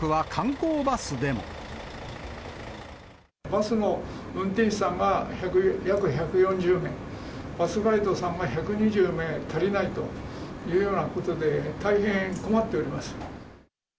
バスの運転手さんが約１４０名、バスガイドさんが１２０名足りないというようなことで、大変困っております。